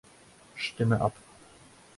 Stimme ab.